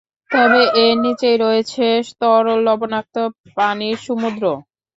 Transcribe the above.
তবে এর নিচেই রয়েছে তরল লবণাক্ত পানির সমুদ্র।